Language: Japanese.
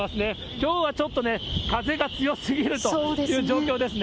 きょうはちょっと風が強すぎるという状況ですね。